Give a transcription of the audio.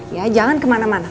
ya jangan kemana mana